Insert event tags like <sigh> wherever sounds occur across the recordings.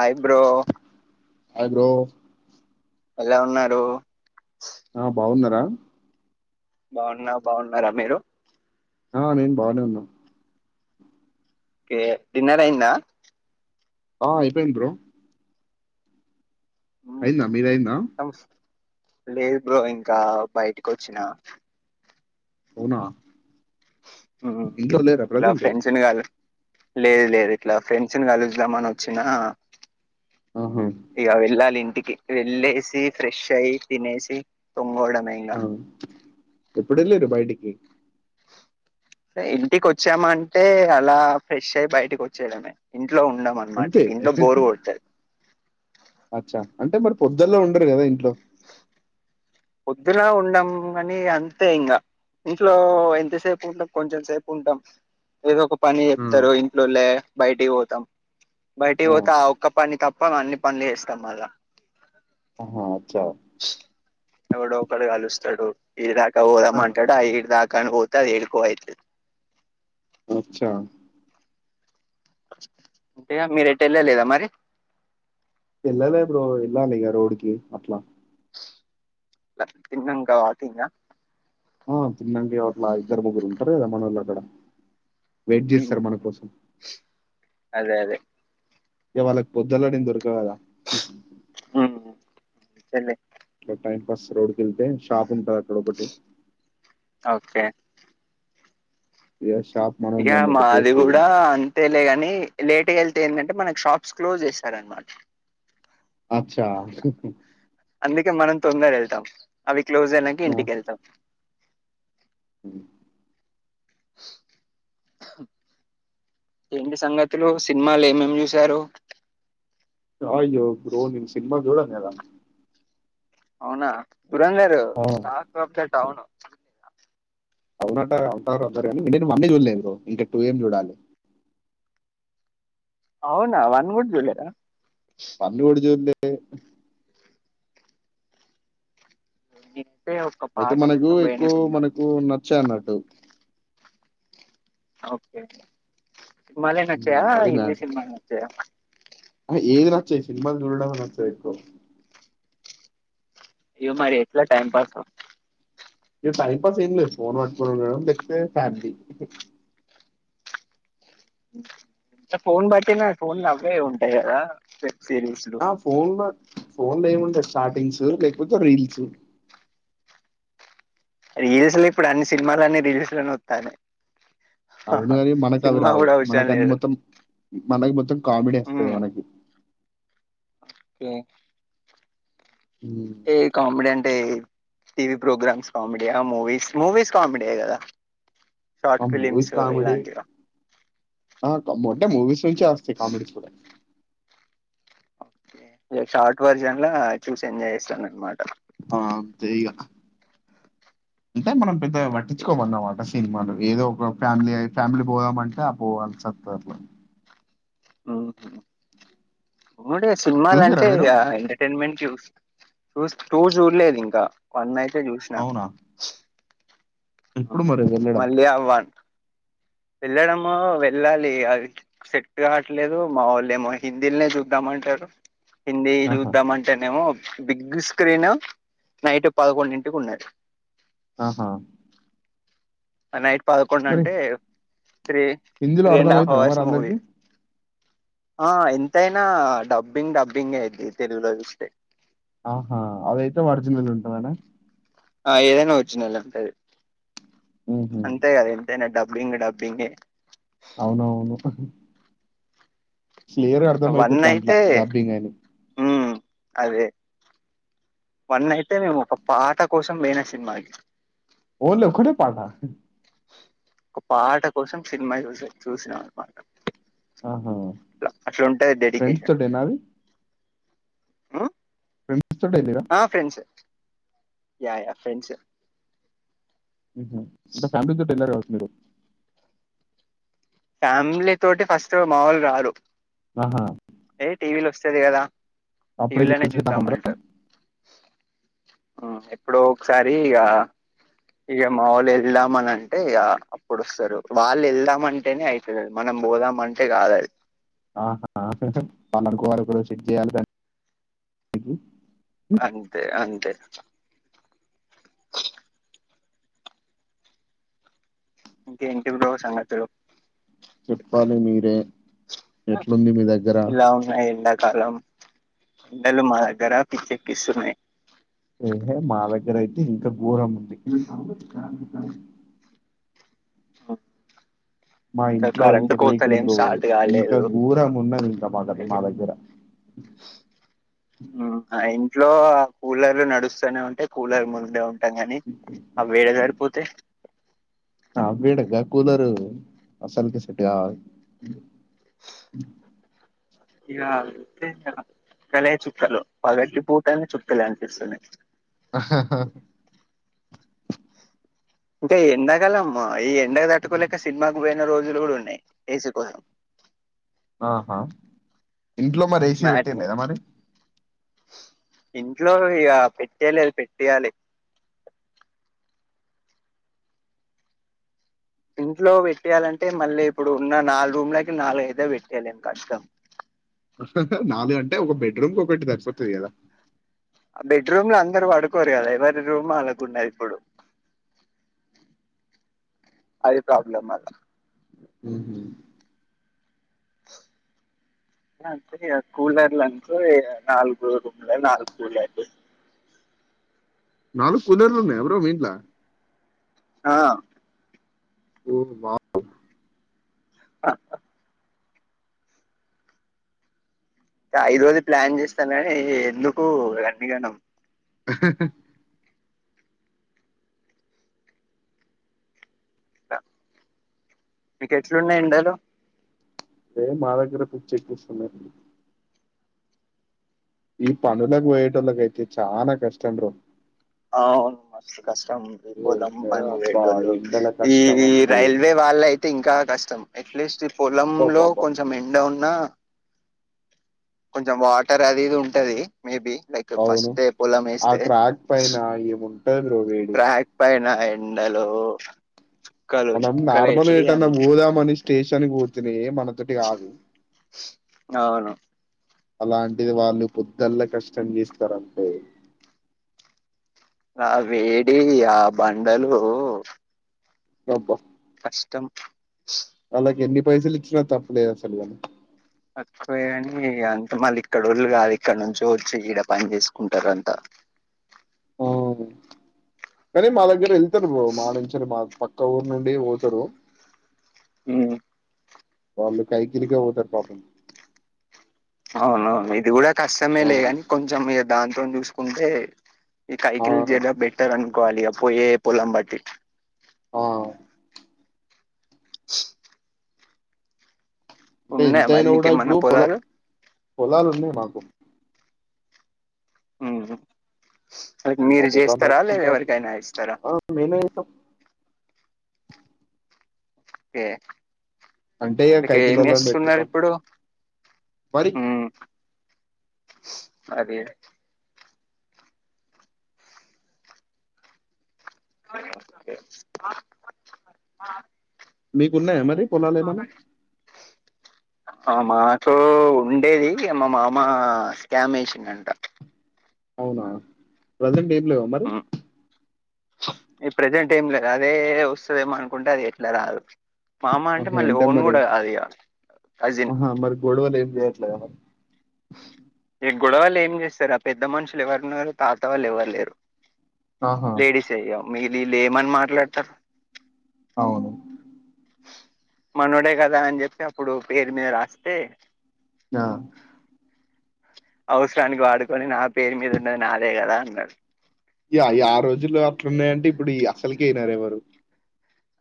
ఆయి bro. Hi bro. ఎలా ఉన్నారు.? ఆ బాగున్నారా. ! బాగున్నా. బాగున్నారా మీరు? ఆ నేన్ బానే ఉన్నా. కే డిన్నర్ అయిందా? ఆ అయిపోయింది బ్రో. మ్ అయిందా? మీదైందా? లేదు బ్రో ఇంకా బయటికొచ్చిన. అవునా. మ్ ! ఇట్లా ఇంట్లో లేరా ప్రజెంటు.? ఫ్రెండ్స్ని కలు లేదు, లేదు ఇట్లా ఫ్రెండ్స్న్ కలుద్దామనొచ్చినా. ఆహా. ఇగ వెళ్లాలింటి. వెళ్ళేసి, ఫ్రెషై, తినేసి, తొంగోడ. నైందా. ఎప్పుడెళ్ళిరు బయటికి.? సే ఇంటికొచ్చామంటే అలా ఫ్రెషై బయటకొచ్చేడమే ఇన్. ఇంట్లో ఉండమన్మాట అంతే ఇంట్లో బోర్ గొడ్తది. అచ్చా అంటే మరి పొద్దుల్ల ఉండరు గదా ఇంట్లో. పొద్దున ఉండం గని అంతే ఇంగా. ఇంట్లో ఎంతసేపు ఉంటాం, కొంచెం సేపు ఉంటాం. ఏదో ఒక. పని ఆ, జేప్తారు ఇంట్లోల్లే బయటిబోతాం. బయటిబోతే ఆ ఒక్క పని తప్ప అన్ని పన్లు జేస్తాం మళ్లా. ఆహా అచ్చ. ఎక్కడొకడు గలుస్తాడు ఈగ. <inaudible> కా బొదామంటడు, ఆ ఈడీ దాకా అని బో. క ఎడికో ఐతది. అచ్చా అంటే మీర్ ఎట్ ఎళ్ళ లేదా మరి వెళ్ళలే బ్రో వెళ్ళాలి ఇగ రోడ్ కి అట్లా ట్లా తిన్నంకా వాకింగా ఆ తిన్నం గి ఆ అట్లా ఇద్దరు ముగ్గురు ఉంటారు కదా మనోళ్ళు అక్కడ వెట్ చేస్తార్ మన కోసం అదే అదే ఇవ్వాలే పొద్దునే నేన్ దొరక్ ఇవ్వాళా ఉమ్ చెల్లే అట్ల టైమ్ పాస్ రోడు వెళ్తే షాపు ఉంటాద్ ఒకటి ఓకే యశ్ ఇగ మాది కూడా అంతేలేగాని లేట్ గ ఎళ్తే ఎందంటే మనక్ షాప్స్ క్లోజ్ చేస్తార్ అన్ మాట అచ్చా ఉహ్ ఉహ్ అందుకే మనం తొందర్ ఎల్ తమ్ అవి క్లోజ్ అయినంక ఇంటికేళ్తాం హ్మ్ ఏంటి సంగతులు సినిమాలు ఏమేమ్ చూశారు అ యో బ్రో నేన్ సినిమా జుడన్ కద అవ్ నా పురందరు ఆ, సార్ కో పెల్ట్ <unintelligible> అవును అవునట అంటారు అందరు కానీ నేను వన్నె చూడలేను బ్రో ఇంకా టూ ఏం చూడాలి అవునా వన్ కూడా జూలేదా వన్ను కూడా జూడ్ లే ఎ హి్ అయితే మనకు ఎక్కువ మనకు నచ్చాయి అనడ్ డు ఓకే సిన్ మాలే ఉమ్, నచ్చయా హిందీ సినిమాలు నచ్చయా <unintelligible> అహ్ ఏది నచ్చయి సిన్ మాల్ చూడడమ్ నచ్చయి ఎక్కువ ఇగ మరి ఎట్లా టైమ్ పాసు ఇగ టైం పాస్ ఏమ్ లేద్ ఫోన్ పట్టుకోన్ చూడడం లేకపోతే ఫ్యామిలీ చఫ్ ఫోన్ బట్టినా ఫోన్ లా అవే ఉంటాయి కదా పె ఆ ఫోన్ లా ఫోన్ లే ఏముండద్ చాటింగ్స్ లేకపోతే రీల్స్ రీల్స్ లో ఇప్పుడు అన్ని సినిమలనే రీల్స్ లోనే వతనయ్ అవును కానీ మనకు అవి రావు మనక అవసరం అద లేదు మొత్తం మన లైఫ్ మొత్తం కామెడీ వేస్తది మనకి క్యా ఉమ్, ఏ కమెడి అంటే టీవీ ప్రోగ్రామ్స్ కామెడియా ఆ మూవీస్ మూవీస్ కామెడే కదా ఆ షార్ట్ ఫిలిమ్స్ ఇలాంటిగా ఆ కమోటే మూవీస్ నుంచి వస్తాయ్ కమెడిస్ కూడా నే షార్ట్ వెర్సన్ లో చూసి ఎంజాయ్ చేస్తాననమాట ఆ తీగా అంటే మనమ్ పెద్దగా పట్టించుకోమన్నమాట సినిమాలు ఏదో ఒక ఫ్యామిలీ ఫ్యామిలీ పోదమంటే ఆ పోవసల్ వస్తదానమాట నో కేనా ఉడే సినిమాాల చూసిర్రా అంటే మీరు? ఆ ఎంటర్టైన్మెంట్ వు టూస్ టూ చూడలేదు ఇంకా వన్ అయ్ టే చూసినా అవునా! ఎప్పుడు మరి వెళ్ళడం ఆ వన్ వెళ్ళడము వెళ్ళాలి అది సెట్ కావట్లేదు మావొలేమో హిందిల్నే చూద్దామంటారు. హిందీ ఆహా! చూద్దాంమంటేనేమో బిగ్ స్క్రీన్ నైట్ పదకొండుంటికి ఉన్నాద్ ఆహా! అ నై పదకొండు మరి అంటే త్రీ హిందీలో త్రీ అండ్ హాఫ్ అర్థమైతదా అవర్స్ మూవీ మరందరికి? ఆ ఎంతైనా డబ్బింగ్ డబ్బింగే ఇది తెలుగులో చూస్తే ఆహా అవియితే ఒరిజినల్ ఉంటుందనా ఆ యేను ఒరిజినల్ ఉంటది హుహు. అంతే కదా ఇంతేనా డబ్ ఇప్పుడు ఇంగా డబ్బింగ్ యే అవునవును క్లియర్ గా అర్థ వన్ అవుతుంది దాంట్ల అయితే డబ్బింగ్ అని ఉమ్ అదే వన్ అయితే మేము ఒక పాట కోసం పోయిన సినిమాకి ఓన్లీ ఒక్కటే పాట ఒక పాట కోసం సినిమా చూసో చూసినాం అనమాట ఆహా! ట్లా అట్లుంటది ఫ్రెండ్స్ డెడికేషన్ తోటేనా అది? ఫ్రెండ్స్ తోటే ఎళ్లిర్రా? ఆ ఫ్రెండ్సె యా యా ఫ్రెండ్స్సె ఉ హు అంత ఫ్యామిలీతోటి వెళ్ళార్ న్యాగో ఫ్యామిలీ తోటి ఫస్ట్ మావొళ్ళు రారు ఆహా అదే కదా అప్పుడే టీవీలోనే చూద్దాం జతాగుంటరా అంటారు <unintelligible> ఎప్పుడో ఒకసారి ఇక ఇక మాములు వెళ్దామనింటే ఇక అప్పుడుొస్తారు వాళ్ళు వెళ్దామంటే అంటేనే అవుతుంది మనం పోదాం అంటే కాదది ఆహా వాళ్లనుకోవాలి కానీ వరకు చెక్ చేయాలి కానీ అంతే అంతే ఇంక ఏంటి బ్రో సంగతులు చెప్పాలి మీరే ఎట్లుంది మీ దగ్గర కాలం ఎండలు మా దగ్గర పిచ్చెక్కిస్తున్నాయి ఏహే మా దగ్గర అయితే ఇంకా ఘోరం ఉంది అవును మా ఇంట్లో అయితే రేకులు బ్రో ఇంకా కాలేదు గోరం ఉన్నది ఇంకా మాకుద మా దగ్గర ఉమ్, ఆ ఇంట్లో కూలరు నడుస్తూనే ఉంటయి అంటే కూలర్ ముందే ఉంటాం కాని ఆ వేడ సరిపోతాయి ఆ బేడంగా కూలరు అసలకే సెట్ కావు ఇక అ కల చుక్కలు పగట్టి పూటనే చుక్కలే అనిపిస్తుంది ఆాా ఇంటే ఎండాకాలమ్ ఈ ఎండకు తట్టుకోలేక సినిమాకు న్న రోజులు కూడా ఉన్నాయి ఏస కోసం ఆహా ఇంట్లో మరి ఏసీ పెట్టయా మ్యాట్ని లేదా మరి ఇంట్లో ఇక పెట్టేయలేదు పెట్టేయాలి ఇంట్లో పెట్టేయాలంటే మళ్ళీ ఇప్పుడు ఉన్న నాలుగు రూమ్లకి నాలుగు అయితే పెట్టేయాలిం కష్టం నాలుగు అంటే ఒక బెడ్రూమ్కి ఒకటి సరిపోతుంది కదా బెడ్రూమ్లు అందరుూ పడుకోరు కదా ఎవరి రూమ్ ఆళకుండ ఇప్పుడు అది ప్రాబ్లమ్ మాల హ్మ్మ్ స కూలర్ల అనుకో నాలుగు రూమ్ల నాలుగు కూలరు నాలుగు కూలర్ లో ఉన్నాయా బ్రో మీ ఇంట్లో ఆా ఓ వా ఆ ఇం ఐదు రోజులు ప్లాన్ చేస్తానని ఎందుకు అన్నిగానం మీక ఎట్లున్నాయి ఎండలు సేమ్ మా దగ్గర పిచ్చెక్కిస్తున్నాయి ఈ పనులోలకు పోయిటలో కైతే చాలా కష్టం ర అవును మస్తు కష్టం ఏ పోలం పనికి అబ్బా పెటళ్ళు ఎండల కష్టం ఈ అంటే రైల్వే వాళ్ళ అయితే ఇంకా కష్టం ఎట్లిస్ట్ పొల లో అబ్బబ్బబ్బా కొంచెం ఎండ ఉన్నా కొంచెం వాటర్ అది ఇది ఉంటది మేబి లైక్ అవును ఫస్టె పోల ఆ మేస్తే ట్రాక్ పైన ఏముంటది బ్రో వేడి ట్రాక్ పైన నెలో మనం నార్మల్ గా ఎటన్న పోదా మనేషి స్టేషన్ కి పోతెనే మన ది ఆదు అవును అలాంటిది వాళ్ళు పొద్ద్దల్ల కష్టం చేస్తారంటే ఆ వేడి ఆ బండలు చెప్పా కష్టం వాళ్లకి ఎన్ని పైసలు ఇచ్చినా తప్పలేదు అసలు కానీ పో కాని అంత మళ్ళీ ఇక్కడ ఓళ్ళు కాదు ఇక్కడ నుంచి వచ్చి ఈడ పని చేసుకుంటారంట కాని మా దగ్గర వెళ్తారు మా నుంచి మా పక్క ఊరు నుండి పోతారు మ్ వాళ్ళు కైకిలిక పోతారు పాపం అవునవును ఇది గూడా కష్టమే ఆ లేగాని కొంచెం ఏ దా చూసుకుంటే ఈ ఆ కైకిలి జర బెటర్ అ <unintelligible> ఏ పోలం బట్టి ఆ అంటే ఉన్నాయా మరి ఎంతైనా కూడా మీకేమన్నా ఇప్పుడు పొలం పొలాలు పొలాలు ఉన్నాయి మాకు మ్ సారె ఇక మీరె ఒక ఎకరం చేస్తారా దాకా లేదా ఉంటారు ఎవరికైనా ఇస్తారా మేమే చేస్తాం ఓకే అంటే ఇ మీకు ఏం కైకిలోలని చేస్తున్నారు పెట్తాం ఇప్పుడు మరి అదే ఓకే. మీ కున్నాయ మరి పొలాలు మాడ ఏమన్నా ఆ మాకు ఉండేది మా మామ స్కామ్ వేసిందింట అవునా ప్రెజెంట్ లేవా మరి ఉమ్, ఈ ప్రజెంట్ ఏం లేదు అదే వస్తుదేమో అనుకుంటే అది ఎట్లా రాదు మామా అంటె ఆహా మళ్ళి అంటే ఓన్ మరి కూడా కాదు ఇక కజిన్ గొడవలు ఏం ఏట్లా గా మరి గొడవాళ్ళు ఏం చేస్తారు ఆ పెద్ద మనుషులు ఎవరున్నారు తాత వాళ్ళు ఎవ్వరులేరు ఆహా లేడీసే అయ్య మీ వీళ్ళు ఏమని మాట్లాడత అవును మనోడే కదా అని చెప్పి అప్పుడు పేరు మీద రాస్తే ఆ అవసరానికి వాడుకొని నా పేరు మీద ఉన్నది నాదే కదా అన్న డు ఇ ఆ రోజుల్లో అట్లున్నాయంటే ఇప్పుడు అసలుకే ఇనరు ఎవరు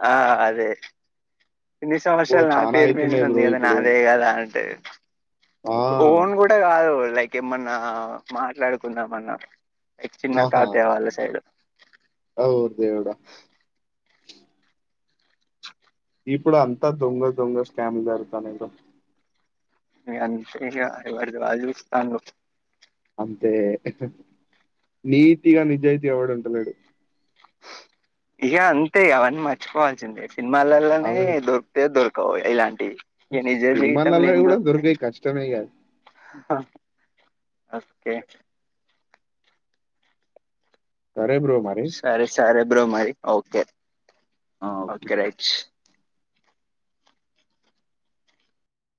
ఆ అదే ఇన్ని అబ్బో సంవత్సరాలు నా చానా పేరు మీదనే అయితున్నాయి ఉంది బ్రో కదా ఇప్పుడు నాదే కదా అంటే ఆ ఓన్ కూడా కాదు లైక్ ఏమన్నా మాట్లాడుకుందామన్నా. ఎట్ చిన్న ఆహా తాతయ్య వాళ్ళ సైడ్ ఓరి దేవుడా ఇప్పుడు అం త దొంగ దొంగ స్కామ్ <unintelligible> తనేందో ఇగ అంతే ఇగ ఎవర్ది వాళ్లు చూస్తాన్రు. అంతే నీతిగా నిజాయితీ ఎవడు ఉంటలేడు. ఇగ అంతే అవన్నీ మర్చిపోవాల్సిందే. సినిమాలల్లనే అవి దొరూకతయో దొరు ఓ ఇలాం టి నిజ జీవితంలో సినిమాలలో ఏం కూడా దొరుకుతయి. దొరికేయి కష్టమే ఇగ కే సరే బ్రో మరి సరే సరే బ్రో మరి ఓకే ఓకే రైట్స్